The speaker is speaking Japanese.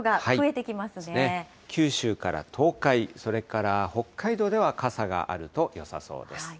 九州から東海、それから北海道では傘があるとよさそうです。